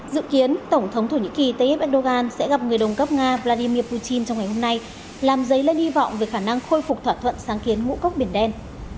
dự kiến tổng thống thổ nhĩ kỳ t f e dogan sẽ gặp người đồng cấp nga vladimir putin trong ngày hôm nay làm giấy lên hy vọng về khả năng khôi phục thỏa thuận sáng kiến ngũ cốc biển đen